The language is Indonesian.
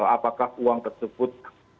apakah uang tersebut